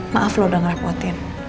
maaf lo udah ngerepotin